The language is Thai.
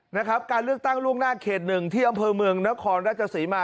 นะครับการเลือกตั้งล่วงหน้าเขตหนึ่งที่อำเภอเมืองนครราชศรีมา